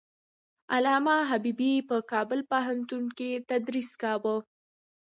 علامه حبيبي په کابل پوهنتون کې تدریس کاوه.